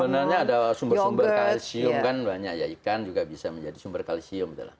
sebenarnya ada sumber sumber kalsium kan banyak ya ikan juga bisa menjadi sumber kalsium